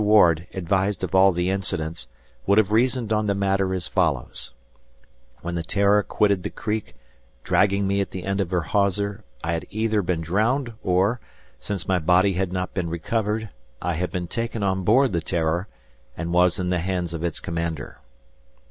Ward, advised of all the incidents, would have reasoned on the matter as follows: when the "Terror" quitted the creek dragging me at the end of her hawser, I had either been drowned or, since my body had not been recovered, I had been taken on board the "Terror," and was in the hands of its commander.